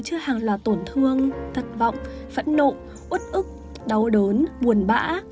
trước hàng loạt tổn thương thất vọng phẫn nộ út ức đau đớn buồn bã